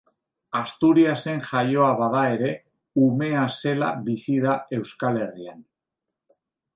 Asturiasen jaioa bada ere, umea zela bizi da Euskal Herrian.